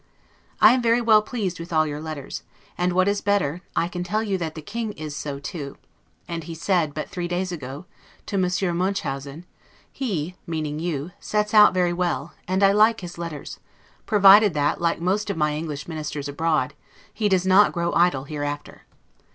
I am very well pleased with all your letters; and, what is better, I can tell you that the King is so too; and he said, but three days ago, to Monsieur Munchausen, HE (meaning you) SETS OUT VERY WELL, AND I LIKE HIS LETTERS; PROVIDED THAT, LIKE MOST OF MY ENGLISH MINISTERS ABROAD, HE DOES NOT GROW IDLE HEREAFTER.